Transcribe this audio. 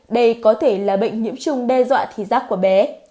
đây có thể là bệnh nhiễm trùng đe dọa thí giác của bé